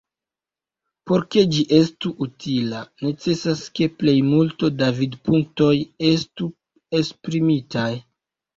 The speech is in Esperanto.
Por ke ĝi estu utila, necesas ke plejmulto da vidpunktoj estu esprimitaj.